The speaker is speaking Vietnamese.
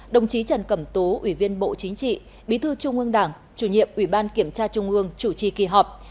đồng chí trần cẩm tú ủy viên bộ chính trị bí thư trung ương đảng chủ nhiệm ủy ban kiểm tra trung ương chủ trì kỳ họp